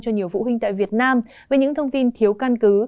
cho nhiều phụ huynh tại việt nam về những thông tin thiếu căn cứ